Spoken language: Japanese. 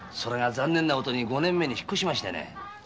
残念なことに五年前に引っ越しましてね。